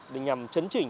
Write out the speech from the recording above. để nhằm chấn chỉnh